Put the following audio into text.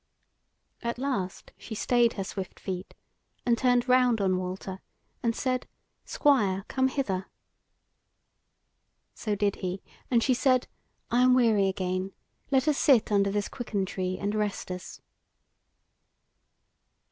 At last she stayed her swift feet, and turned round on Walter, and said: "Squire, come hither." So did he, and she said: "I am weary again; let us sit under this quicken tree, and rest us."